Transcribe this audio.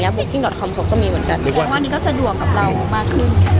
อย่างเงี้ยก็มีหมดกันแล้ววันนี้ก็สะดวกกับเรามากขึ้น